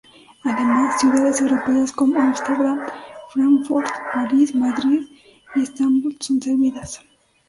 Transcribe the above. Además, ciudades europeas como Amsterdam, Frankfurt, París, Madrid y Estambul son servidas.